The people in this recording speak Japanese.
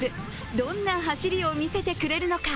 どんな走りを見せてくれるのか。